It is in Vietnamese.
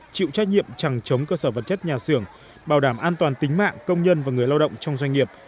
chịu trách nhiệm chẳng chống cơ sở vật chất nhà xưởng bảo đảm an toàn tính mạng công nhân và người lao động trong doanh nghiệp